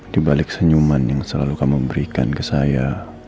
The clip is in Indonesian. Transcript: di balik senyuman yang selalu kamu berikan ke saya